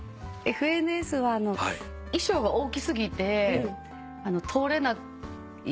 『ＦＮＳ』は衣装が大きすぎて通れないってなって。